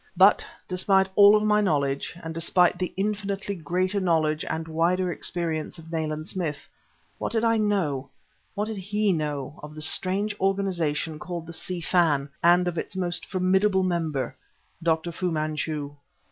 But, despite of all my knowledge, and despite the infinitely greater knowledge and wider experience of Nayland Smith, what did I know, what did he know, of the strange organization called the Si Fan, and of its most formidable member, Dr. Fu Manchu?